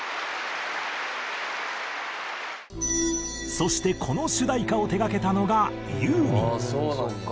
そしてこの主題歌を手がけたのがユーミン。